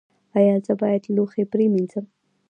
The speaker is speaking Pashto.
ایا زه باید لوښي پریمنځم؟